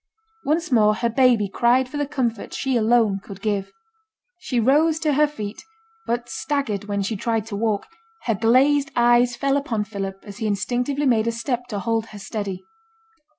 Once more her baby cried for the comfort she alone could give. She rose to her feet, but staggered when she tried to walk; her glazed eyes fell upon Philip as he instinctively made a step to hold her steady.